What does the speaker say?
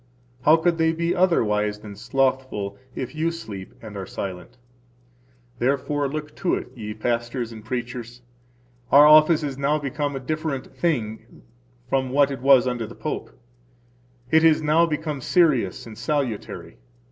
How could they be otherwise than slothful if you sleep and are silent? Therefore look to it, ye pastors and preachers. Our office is now become a different thing from what it was under the Pope; it is now become serious and salutary.